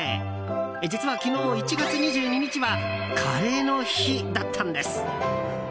実は昨日１月２２日はカレーの日だったんです。